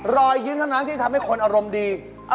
รอยยิ้มขนาดที่ทำให้คนอารมณ์ดี